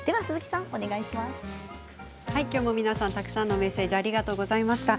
皆さん、たくさんのメッセージありがとうございました。